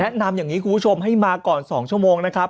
นำอย่างนี้คุณผู้ชมให้มาก่อน๒ชั่วโมงนะครับ